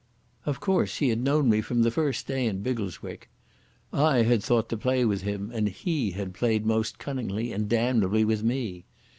Of course he had known me from the first day in Biggleswick.... I had thought to play with him, and he had played most cunningly and damnably with me.